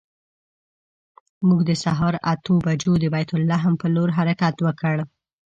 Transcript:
موږ د سهار اتو بجو د بیت لحم پر لور حرکت وکړ.